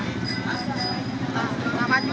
banyak sekali pilihan jajanan makanan dan juga minuman